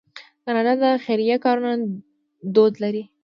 کاناډا د خیریه کارونو دود لري.